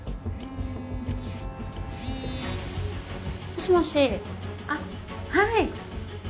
もしもしあっはい。